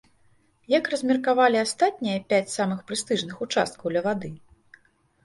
Як размеркавалі астатнія пяць самых прэстыжных участкаў ля вады?